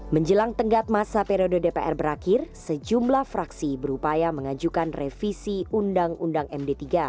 menjelang tenggat masa periode dpr berakhir sejumlah fraksi berupaya mengajukan revisi undang undang md tiga